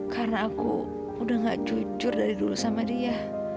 karena aku udah gak jujur dari dulu sama dia